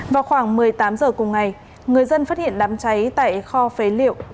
vào khoảng một mươi tám h cùng ngày người dân phát hiện đám cháy tại kho phế liệu